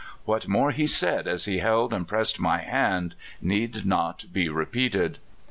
What more he said, as he held and pressed my liand, need not be repeated.